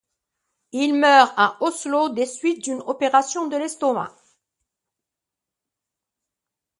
Il meurt le à Oslo des suites d'une opération de l'estomac.